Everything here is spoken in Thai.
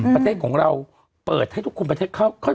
ประเทศของเราเปิดให้ทุกคนประเทศเข้า